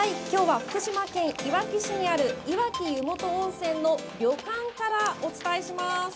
きょうは福島県いわき市にあるいわき湯本温泉の旅館からお伝えします。